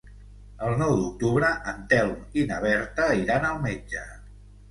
El nou d'octubre en Telm i na Berta iran al metge.